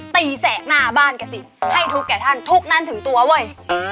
แสกหน้าบ้านกันสิให้ทุกแก่ท่านทุกนั้นถึงตัวเว้ย